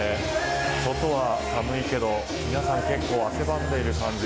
外は寒いけど皆さん結構汗ばんでいる感じ。